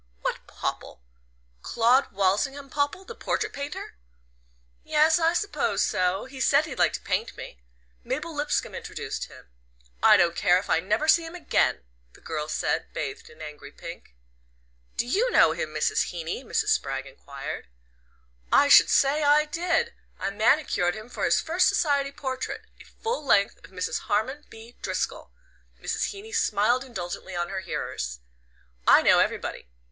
"What Popple? Claud Walsingham Popple the portrait painter?" "Yes I suppose so. He said he'd like to paint me. Mabel Lipscomb introduced him. I don't care if I never see him again," the girl said, bathed in angry pink. "Do you know him, Mrs. Heeny?" Mrs. Spragg enquired. "I should say I did. I manicured him for his first society portrait a full length of Mrs. Harmon B. Driscoll." Mrs. Heeny smiled indulgently on her hearers. "I know everybody.